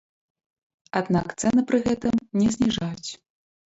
Аднак цэны пры гэтым не зніжаюць.